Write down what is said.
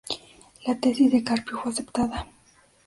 La tesis de Carpio fue aceptada.